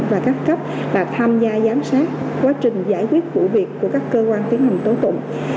và các cấp và tham gia giám sát quá trình giải quyết vụ việc của các cơ quan tiến hành tố tụng